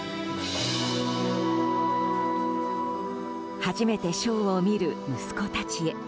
初めてショーを見る息子たちへ。